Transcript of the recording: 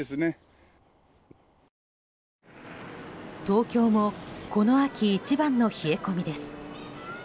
東京もこの秋一番の冷え込みです。